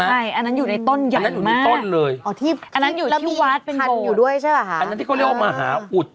ใช่อันนั้นอยู่ในต้นใหญ่มากอันนั้นอยู่ในต้นเลยอ๋อที่อันนั้นอยู่ที่วัดเป็นโบสถ์อันนั้นที่เขาเรียกว่ามหาอุด